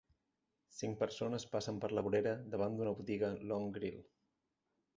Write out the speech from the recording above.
Cinc persones passen per la vorera davant una botiga LoungeGrill.